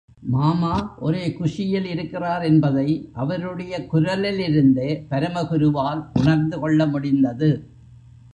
மாமா ஒரே குஷியில் இருக்கிறார் என்பதை அவருடைய குரலிலிருந்தே பரமகுருவால் உணர்ந்து கொள்ள முடிந்தது.